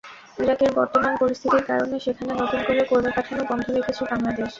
ইরাকের বর্তমান পরিস্থিতির কারণে সেখানে নতুন করে কর্মী পাঠানো বন্ধ রেখেছে বাংলাদেশ।